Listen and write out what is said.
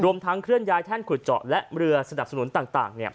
รวมทั้งเคลื่อนย้ายแท่นขุดเจาะและเรือสนับสนุนต่างต่างเนี้ย